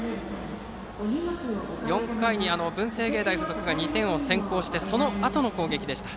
４回に文星芸大付属が２点を先行してそのあとの攻撃でした。